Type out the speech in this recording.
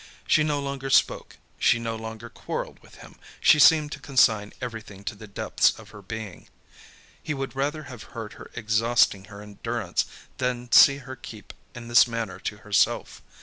She no longer spoke, she no longer quarrelled with him, she seemed to consign everything to the depths of her being. He would rather have heard her exhausting her endurance than see her keep in this manner to herself.